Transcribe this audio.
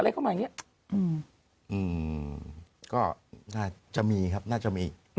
เข้ามาอย่างเงี้ยอืมก็น่าจะมีครับน่าจะมี